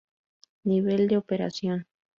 Nivel de Operación.